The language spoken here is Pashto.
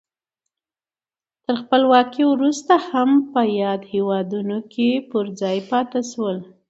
تر خپلواکۍ وروسته هم په یادو هېوادونو کې پر ځای پاتې شول.